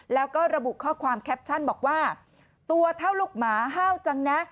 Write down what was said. แล้วก็ระบุข้อความแคปชั่นบอกว่าตัวเท่าลูกหมาห้าวจังนะ